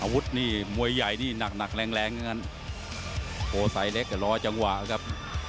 อาวุธนี่มวยใหญ่นี่หนักแรงเกินกันโกไซท์เล็กล้อจังหวะครับ